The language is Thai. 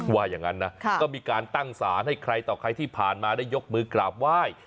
ว่าอย่างนั้นนะก็มีการตั้งสารให้ใครต่อใครที่ผ่านมาได้ยกมือกราบไหว้